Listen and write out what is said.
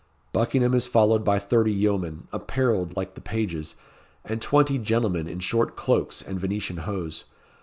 Buckingham is followed by thirty yeomen, apparelled like the pages, and twenty gentlemen in short cloaks and Venetian hose.